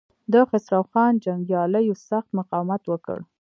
د خسرو خان جنګياليو سخت مقاومت وکړ.